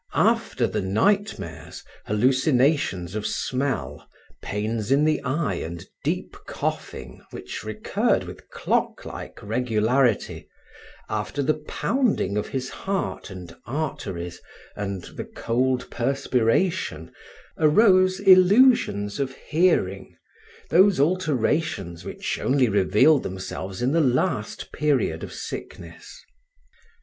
After the nightmares, hallucinations of smell, pains in the eye and deep coughing which recurred with clock like regularity, after the pounding of his heart and arteries and the cold perspiration, arose illusions of hearing, those alterations which only reveal themselves in the last period of sickness.